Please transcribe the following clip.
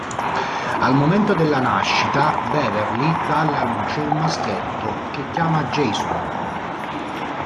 Al momento della nascita, Beverly dà alla luce un maschietto, che chiama Jason.